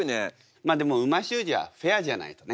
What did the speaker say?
まあでも美味しゅう字はフェアじゃないとね。